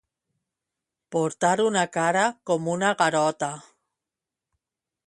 Portar una cara com una garota.